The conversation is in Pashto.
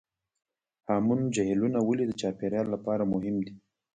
هامون جهیلونه ولې د چاپیریال لپاره مهم دي؟